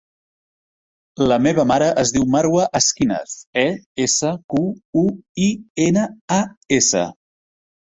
La meva mare es diu Marwa Esquinas: e, essa, cu, u, i, ena, a, essa.